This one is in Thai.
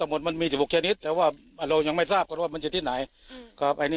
อันนี้มีสิทธิภูมิ๑๖ชนิดแต่ว่าเรายังไม่ทราบว่าจะอยู่ที่ไหน